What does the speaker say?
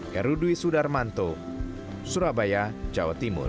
herudwi sudarmanto surabaya jawa timur